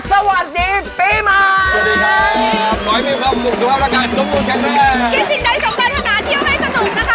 สวัสดีปีใหม่ตาครับ